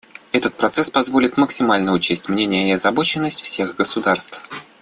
Этот процесс позволит максимально учесть мнения и озабоченности всех государств.